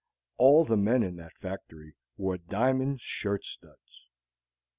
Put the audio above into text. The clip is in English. All the men in that factory wore diamond shirt studs.